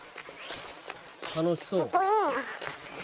「楽しそう」